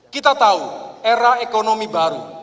kita tahu era ekonomi baru